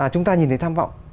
chúng ta nhìn thấy tham vọng